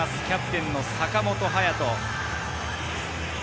キャプテン・坂本勇人。